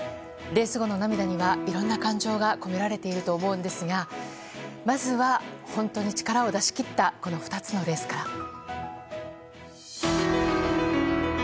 レース後の涙にはいろんな感情が込められていると思うんですがまずは、本当に力を出し切った２つのレースから。